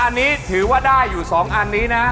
อันนี้ถือว่าได้อยู่๒อันนี้นะ